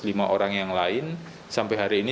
lima orang yang lain sampai hari ini